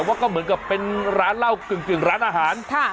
ว่าก็เหมือนกับเป็นร้านเหล้ากึ่งร้านอาหาร